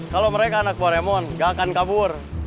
kalau mereka anak buah remon nggak akan kabur